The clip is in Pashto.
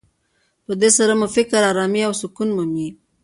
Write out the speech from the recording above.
په دې سره مو فکر ارامي او سکون مومي.